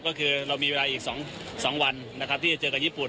ก็คือเรามีเวลาอีก๒วันนะครับที่จะเจอกับญี่ปุ่น